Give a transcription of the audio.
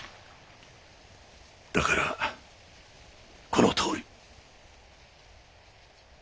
だからこのとおり。